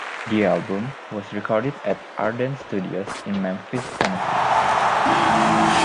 The album was recorded at Ardent Studios in Memphis, Tennessee.